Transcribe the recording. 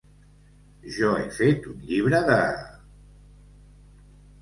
-Jo he fet un llibre de…